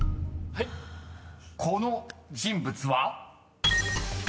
［この人物は？］